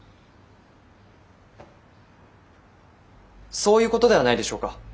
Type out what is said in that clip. そういうことではないでしょうか？